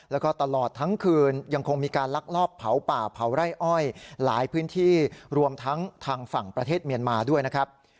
แล้วก็ตลอดทั้งคืนยังคงมีการลักลอบเผาป่าเผาไร่อ้อยหลายพื้นที่รวมทั้งทางฝั่งประเทศเมียนมาด้วยนะครับ